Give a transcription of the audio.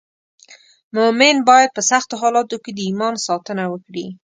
مومن باید په سختو حالاتو کې د ایمان ساتنه وکړي.